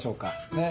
ねっ。